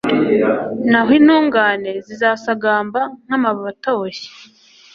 naho intungane zizasagamba nk’amababi atoshye